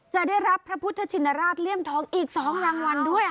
จะได้รับพระพุทธชินราชเลี่ยมทองอีก๒รางวัลด้วย